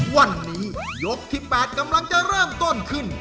วันนี้ยกที่๘กำลังจะเริ่มต้นขึ้น